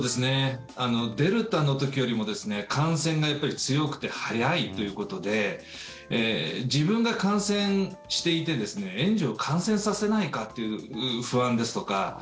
デルタの時よりも感染がやっぱり強くて早いということで自分が感染していて園児を感染させないかという不安ですとか